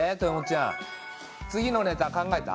ちゃん次のネタ考えた？